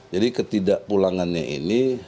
jadi ketidak pulangannya ini